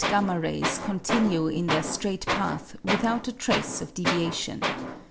Then rather faint 7 rays continue in their straight path without a trace of deviation.